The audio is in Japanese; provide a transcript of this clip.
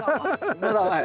まだ甘い。